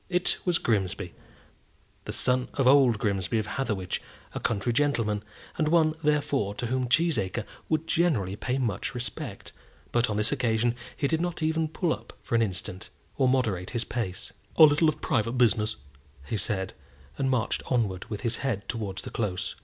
It was Grimsby, the son of old Grimsby of Hatherwich, a country gentleman, and one, therefore, to whom Cheesacre would generally pay much respect; but on this occasion he did not even pull up for an instant, or moderate his pace. "A little bit of private business," he said, and marched onwards with his head towards the Close.